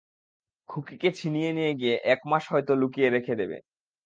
খুকিকে ছিনিয়ে নিয়ে গিয়ে একমাস হয়তো লুকিয়ে রেখে দেবে।